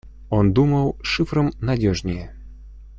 Он думал, шифром надежнее.